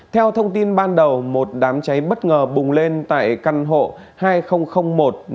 theo thông tin ban đầu một đám cháy bất ngờ bùng lên tại căn hộ hai nghìn một mươi